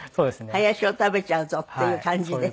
林を食べちゃうぞっていう感じで。